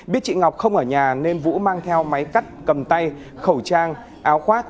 biết chị ngọc không ở nhà nên vũ mang theo máy cắt cầm tay khẩu trang áo khoác